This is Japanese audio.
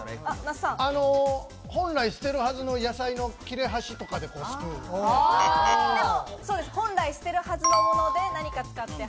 本来捨てるはずの野菜の切れ本来捨てるはずのもので何か使って。